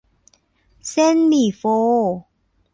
เส้นหมี่โฟ